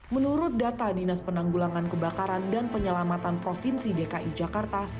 menurut data dinas penanggulangan kebakaran dan penyelamatan provinsi dki jakarta